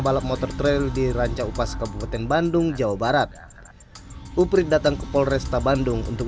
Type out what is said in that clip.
balap motor trail di ranca upas kabupaten bandung jawa barat uprit datang ke polresta bandung untuk